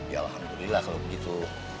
ya alhamdulillah kalau begitu